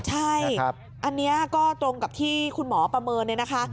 ใช่อันนี้ก็ตรงกับที่คุณหมอประเมินเนี่ยนะคะ